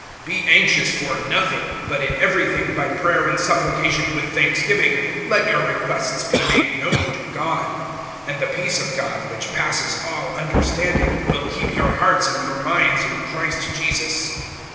(6)Be anxious for nothing; but in every thing, by prayer and supplication with thanksgiving, let your requests be made known to God. (7)And the peace of God, which passes all understanding, will keep your hearts and your minds in Christ Jesus.